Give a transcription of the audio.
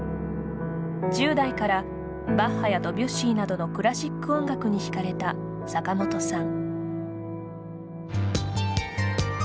１０代からバッハやドビュッシーなどのクラシック音楽にひかれた坂本さん。